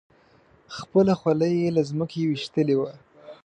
خپله خولۍ یې له ځمکې ویشتلې وه.